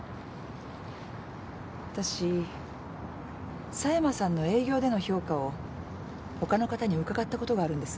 わたし狭山さんの営業での評価をほかの方に伺ったことがあるんです。